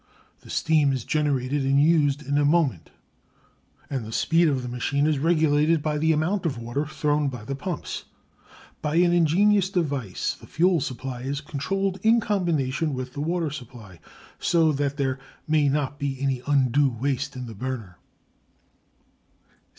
The steam is generated and used in a moment, and the speed of the machine is regulated by the amount of water thrown by the pumps. By an ingenious device the fuel supply is controlled in combination with the water supply, so that there may not be any undue waste in the burner.